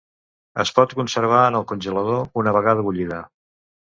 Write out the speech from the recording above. Es pot conservar en el congelador una vegada bullida.